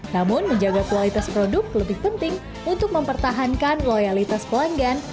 namun menjaga kualitas produk lebih penting untuk mempertahankan loyalitas pelanggan